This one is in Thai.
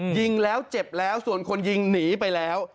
ยิงแล้วเจ็บแล้วส่วนคนยิงหนีไปแล้ว